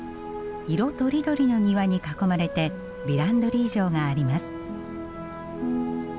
色とりどりの庭に囲まれてヴィランドリー城があります。